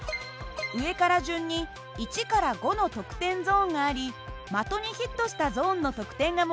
上から順に１５の得点ゾーンがあり的にヒットしたゾーンの得点がもらえます。